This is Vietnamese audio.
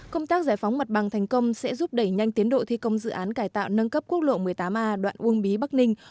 công tác giải phóng mặt bằng thành công sẽ giúp đẩy nhanh tiến độ thi công dự án cải tạo nâng cấp quốc lộ một mươi tám a đoạn uông bí bắc ninh